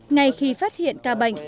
ngay khi phát hiện ca bệnh